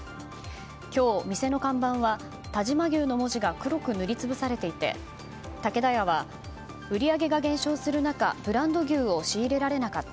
今日、店の看板は但馬牛の文字が黒く塗り潰されていて竹田屋は、売り上げが減少する中ブランド牛を仕入れられなかった。